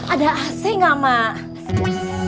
ada ac gak mak